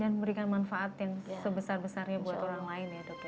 dan memberikan manfaat yang sebesar besarnya buat orang lain ya dok ya